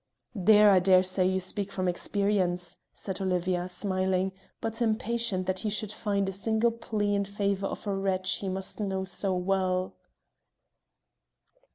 "There I daresay you speak from experience," said Olivia, smiling, but impatient that he should find a single plea in favour of a wretch he must know so well.